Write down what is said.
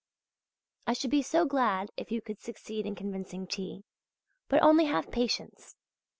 I should be so glad if you could succeed in convincing T.! But only have patience!